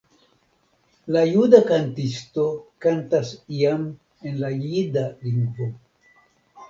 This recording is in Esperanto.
La juda kantisto kantas iam en la jida lingvo.